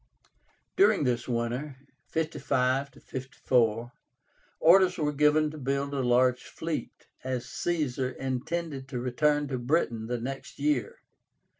During this winter (55 54), orders were given to build a large fleet, as Caesar intended to return to Britain the next year.